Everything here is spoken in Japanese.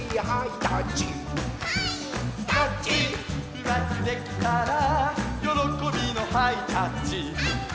「うまくできたらよろこびのハイタッチ」